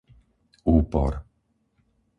Úpor